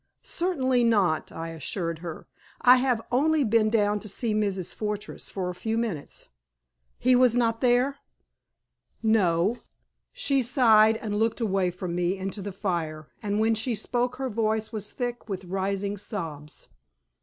"Certainly not," I assured her. "I have only been down to see Mrs. Fortress for a few minutes." "He was not there?" "No." She sighed and looked away from me into the fire, and when she spoke her voice was thick with rising sobs.